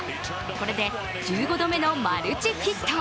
これで１５度目のマルチヒット。